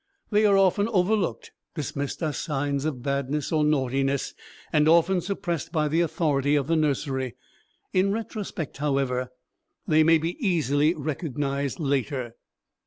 They are often overlooked, dismissed as signs of badness or naughtiness, and often suppressed by the authority of the nursery; in retrospect, however, they may be easily recognized later.